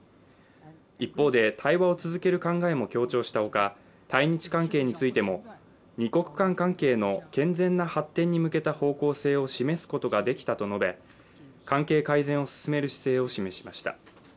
一方で対話を続ける考えも強調したほか対日関係についても、二国間関係の健全な発展に向けた方向性を示すことができたと述べ、関係改善を進める姿勢を示しました。